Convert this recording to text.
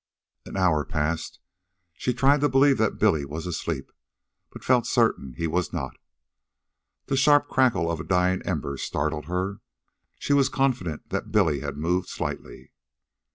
An hour passed. She tried to believe that Billy was asleep, but felt certain he was not. The sharp crackle of a dying ember startled her. She was confident that Billy had moved slightly.